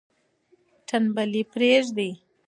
تنبلي پریږدئ.